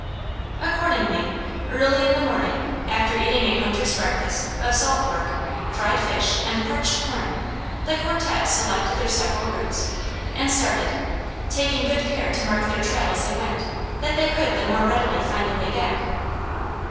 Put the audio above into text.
Accordingly, early in the morning, after eating a hunter's breakfast of salt pork, fried fish, and parched corn, the quartette selected their several routes, and started, taking good care to mark their trail as they went, that they could the more readily find the way back.